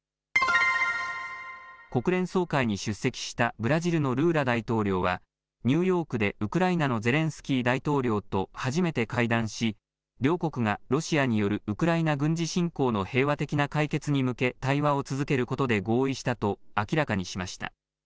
国連総会に出席したブラジルのルーラ大統領はニューヨークでウクライナのゼレンスキー大統領と初めて会談し両国がロシアによるウクライナ軍事侵攻の平和的な解決に向け対話を続けることで合意したと明らかにしました。